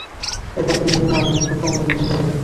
এরপর থেকে বিভিন্ন আরবী নথিপত্র অনুবাদে বিলম্ব হতে থাকে।